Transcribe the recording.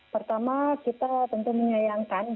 pertama kita tentu menyayangkan